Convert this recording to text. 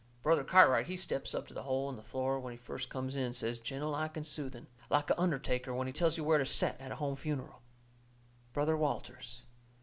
Brother Cartwright, he steps up to the hole in the floor when he first comes in and he says, gentle like and soothing, like a undertaker when he tells you where to set at a home funeral: "Brother Walters."